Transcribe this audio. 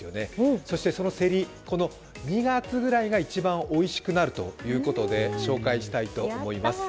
そしてこのセリ、２月ぐらいが一番おいしくなるということで紹介したいと思います。